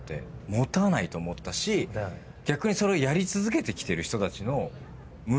持たないと思ったし逆にそれをやり続けてきてる人たちの。